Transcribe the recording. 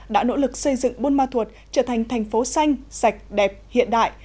đã nỗ lực xây dựng buôn ma thuột trở thành thành phố xanh sạch đẹp hiện đại